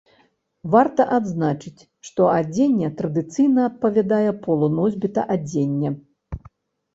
Варта адзначыць, што адзенне традыцыйна адпавядае полу носьбіта адзення.